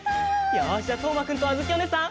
よしじゃあとうまくんとあづきおねえさん